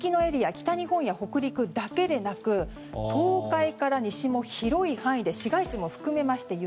北日本や北陸だけではなく東海から西も広い範囲で市街地も含めまして雪。